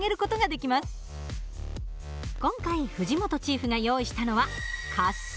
今回藤本チーフが用意したのは滑車。